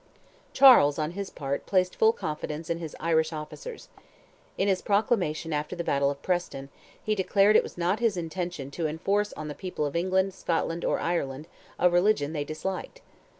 Charles, on his part, placed full confidence in his Irish officers. In his proclamation after the battle of Preston, he declared it was not his intention to enforce on the people of England, Scotland, or Ireland, "a religion they disliked."